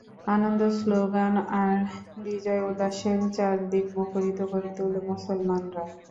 আনন্দ-শ্লোগান আর বিজয়-উল্লাসে চারদিক মুখরিত করে তোলে মুসলমানরা।